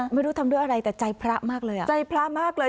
ไม่รู้ทำด้วยอะไรแต่ใจพระมากเลยอ่ะใจพระมากเลย